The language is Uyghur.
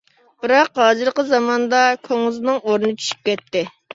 بىراق، ھازىرقى زاماندا كۇڭزىنىڭ ئورنى چۈشۈپ كەتتى.